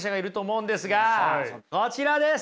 こちらです。